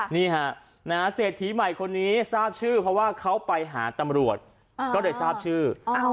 นี่ฮะเศรษฐีใหม่คนนี้ทราบชื่อเพราะว่าเขาไปหาตำรวจก็เลยทราบชื่อ